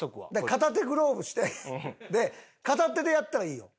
片手グローブして片手でやったらいいやん。